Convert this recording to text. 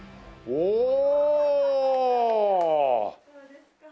おお！